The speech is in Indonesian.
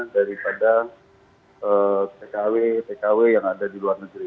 daripada tkw tkw yang ada di luar negeri